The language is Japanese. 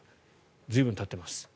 随分たっています。